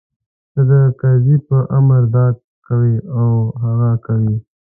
ته د کرزي په امر دا کوې او هغه کوې.